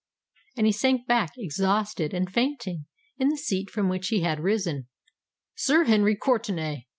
And he sank back, exhausted and fainting, in the seat from which he had risen. "Sir Henry Courtenay!"